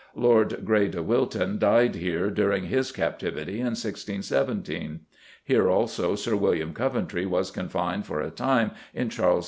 Lord Grey de Wilton died here, during his captivity, in 1617; here, also, Sir William Coventry was confined for a time in Charles II.